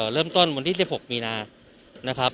เริ่มต้นวันที่๑๖มีนานะครับ